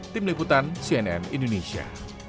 tim liputan cnn indonesia